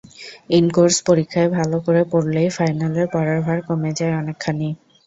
In-course পরীক্ষায় ভালো করে পড়লেই ফাইনালের পড়ার ভার কমে যায় অনেকখানি।